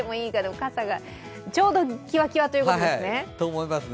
ちょうどきわきわということですね。